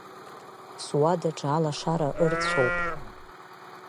Суадаҿы алашара ырцәоуп.